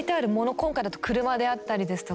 今回だと車であったりですとか